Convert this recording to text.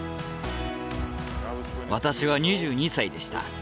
私は２２歳でした。